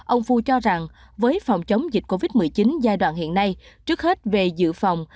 ông phu cho rằng với phòng chống dịch covid một mươi chín giai đoạn hiện nay trước hết về dự phòng